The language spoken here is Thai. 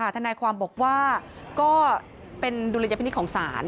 ทนายความบอกว่าก็เป็นดุลยพินิษฐ์ของศาล